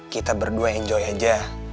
kita berdua enjoy aja